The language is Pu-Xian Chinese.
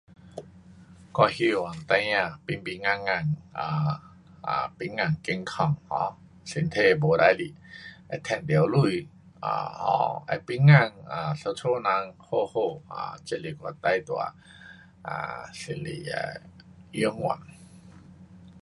我希望孩儿平平安安 um 平安健康 um 身体没事情，会赚到钱 um um 会平安，一家人好好 um 只是我最大 um 心里的愿望。